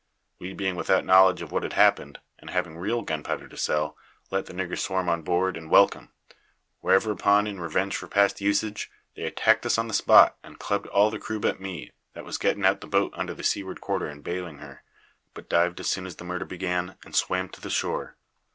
We being without knowledge of what had happened, and having real gunpowder to sell, let the niggers swarm on board, and welcome. Whereupon, in revenge for past usage, they attacked us on the spot and clubbed all the crew but me, that was getting out the boat under the seaward quarter and baling her, but dived as soon as the murder began, and swam to the shore.